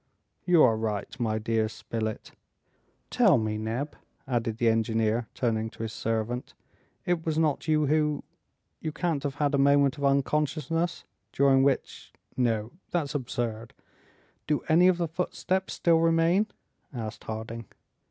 "You are right, my dear Spilett. Tell me, Neb," added the engineer, turning to his servant, "it was not you who... you can't have had a moment of unconsciousness... during which no, that's absurd.... Do any of the footsteps still remain?" asked Harding.